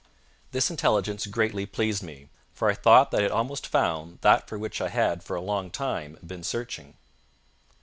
This intelligence greatly pleased me, for I thought that I had almost found that for which I had for a long time been searching.